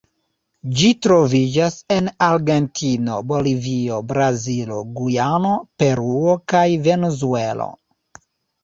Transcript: Ĝi troviĝas en Argentino, Bolivio, Brazilo, Gujano, Peruo kaj Venezuelo.